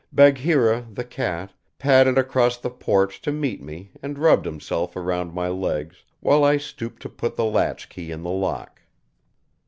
Bagheera, the cat, padded across the porch to meet me and rubbed himself around my legs while I stooped to put the latch key in the lock.